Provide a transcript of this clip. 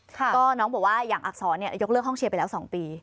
ก็น้องบอกว่าอย่างอักษรยกเลิกห้องเชียร์ไปแล้ว๒ปี